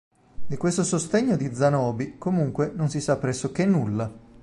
Di questo Sostegno di Zanobi comunque non si sa pressoché nulla.